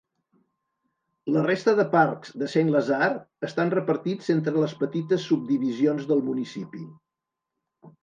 La resta de parcs de Saint-Lazare estan repartits entre les petites subdivisions del municipi.